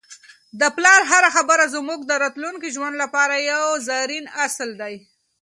د پلار هره خبره زموږ د راتلونکي ژوند لپاره یو زرین اصل دی.